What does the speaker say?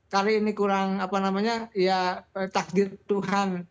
kali ini kurang apa namanya ya takdir tuhan